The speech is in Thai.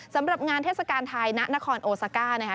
สำหรับงานเทศกาลไทยณนครโอซาก้านะคะ